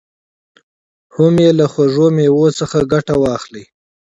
هم یې له خوږو مېوو څخه ګټه واخلي.